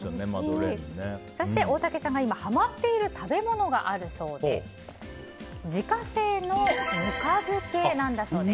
そして、大竹さんが今はまっている食べ物があるそうで自家製のぬか漬けなんだそうです。